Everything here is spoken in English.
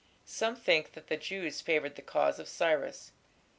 Some think that the Jews favoured the cause of Cyrus.